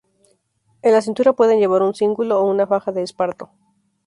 En la cintura pueden llevar un cíngulo o una faja de esparto.